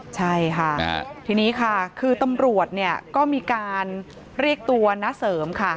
ใช่ค่ะทีนี้ค่ะคือตำรวจเนี่ยก็มีการเรียกตัวน้าเสริมค่ะ